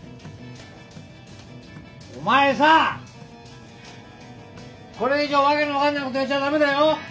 お前さこれ以上訳の分かんないことやっちゃダメだよ？